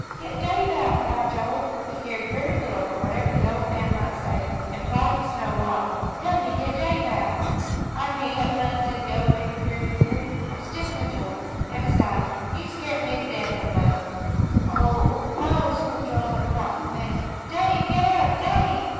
"Get Dave out," cried Joel, who cared very little for whatever the old man might say, and pawing the snow wildly. "Help me get Dave out." "I can't help none," said the old man, querulously. "I'm stiff in th' jints, an' beside, you've scart me to death, eenamost." "Oh oh!" screamed Joel, in a frightful panic. "Dave get up, Dave!"